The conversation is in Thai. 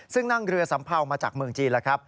ซึ่งนั่งเรือสัมเภามาจากเมืองจีนแล้วครับ